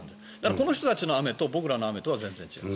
この人たちの雨と僕らの雨とは全然違う。